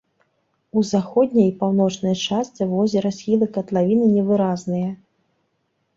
У заходняй і паўночнай частцы возера схілы катлавіны невыразныя.